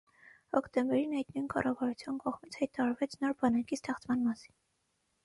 Հոկտեմբերին այդ նույն կառավարության կողմից հայտարարվեց նոր բանակի ստեղծման մասին։